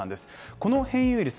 この変異ウイルス